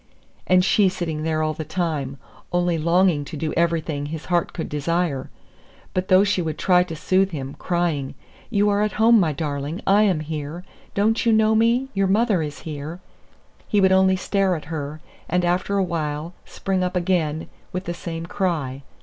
And she sitting there all the time, only longing to do everything his heart could desire! But though she would try to soothe him, crying, "You are at home, my darling. I am here. Don't you know me? Your mother is here!" he would only stare at her, and after a while spring up again with the same cry.